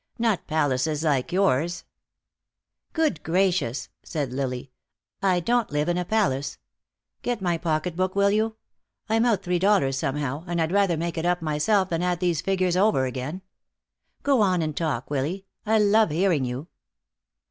Not palaces like yours " "Good gracious!" said Lily, "I don't live in a palace. Get my pocket book, will you? I'm out three dollars somehow, and I'd rather make it up myself than add these figures over again. Go on and talk, Willy. I love hearing you."